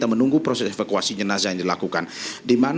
saya mungkin sedikit terkait dengan apa yang sudah diberikan